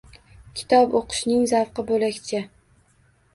Kitob o‘qishning zavqi bo‘lakcha.